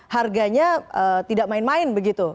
harganya tidak main main begitu